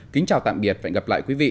kính chào tạm biệt và hẹn gặp lại quý vị